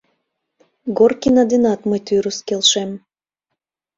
Горкина денат мый тӱрыс келшем.